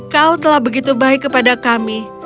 kau telah begitu baik kepada kami